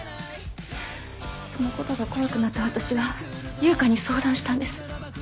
そのことが怖くなった私は悠香に相談したんです。